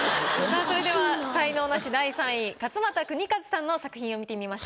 さあそれでは才能ナシ第３位勝俣州和さんの作品を見てみましょう。